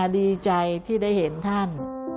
ดีใจที่ได้เห็นท่าน